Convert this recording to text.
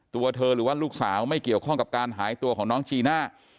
ตัวเธอหรือว่าลูกสาวไม่เกี่ยวข้องกับการหายตัวของน้องจีน่า